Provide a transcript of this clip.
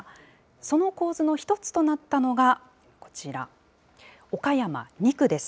その構図の一つとなったのが、こちら、岡山２区です。